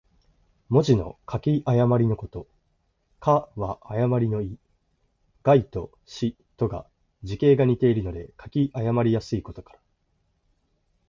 文字の書き誤りのこと。「譌」は誤りの意。「亥」と「豕」とが、字形が似ているので書き誤りやすいことから。